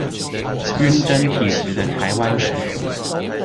暈針體質的台灣人